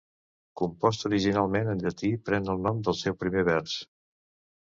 Compost originalment en llatí, pren el nom del seu primer vers.